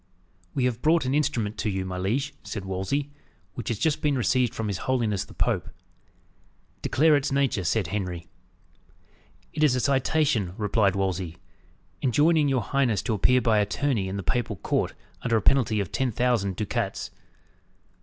"We have brought an instrument to you, my liege," said Wolsey, "which has just been received from his holiness the Pope." "Declare its nature," said Henry. "It is a citation," replied Wolsey, "enjoining your high ness to appear by attorney in the papal court, under a penalty of ten thousand ducats."